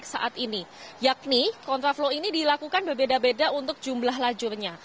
saat ini yakni kontraflow ini dilakukan berbeda beda untuk jumlah lajurnya